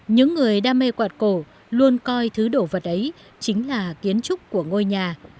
những người đam mê quạt cổ luôn coi thứ đồ vật ấy chính là kiến trúc của ngôi nhà